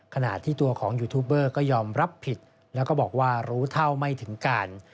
ขณะที่ตัวของยูทูบเบอร์ก็ยอมรับผิดแล้วก็บอกว่ารู้เท่าไม่ถึงการ